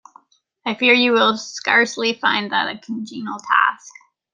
I fear you will scarcely find that a congenial task.